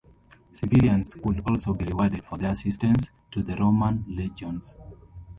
Civilians could also be rewarded for their assistance to the Roman legions.